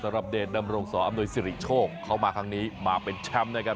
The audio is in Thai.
เดชดำรงสออำนวยสิริโชคเข้ามาครั้งนี้มาเป็นแชมป์นะครับ